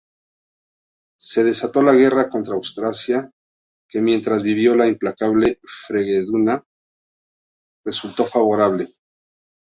Se desató la guerra contra Austrasia, que mientras vivió la implacable Fredegunda resultó favorable.